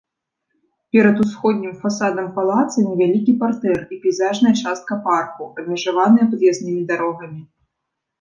Перад усходнім фасадам палаца невялікі партэр і пейзажная частка парку, абмежаваная пад'язнымі дарогамі.